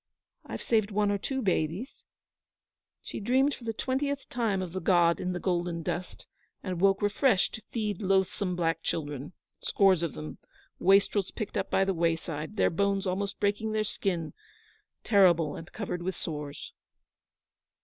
I've saved one or two babies.' She dreamed for the twentieth time of the god in the golden dust, and woke refreshed to feed loathsome black children, scores of them, wastrels picked up by the wayside, their bones almost breaking their skin, terrible and covered with sores.